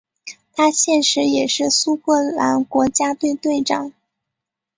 他现时也是苏格兰国家队队长。